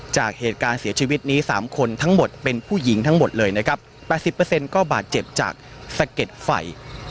จากเหตุการณ์เสียชีวิตนี้๓คนทั้งหมดเป็นผู้หญิงทั้งหมดเลยนะครับ๘๐ก็บาดเจ็บจากสะเก็ดไฟ